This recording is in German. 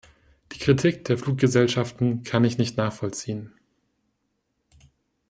Die Kritik der Fluggesellschaften kann ich nicht nachvollziehen.